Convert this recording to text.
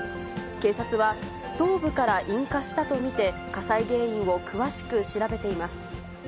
警察は、ストーブから引火したと見て、火災原因を詳しく調べています。